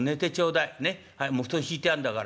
はいもう布団敷いてあんだから」。